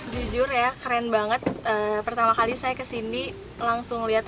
jujur ya keren banget pertama kali saya ke sini langsung melihat